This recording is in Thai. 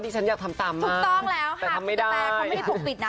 นี่ฉันอยากทำตามมากถูกต้องแล้วแต่ทำไม่ได้กระแตเขาไม่ได้ปลูกปิดน่ะ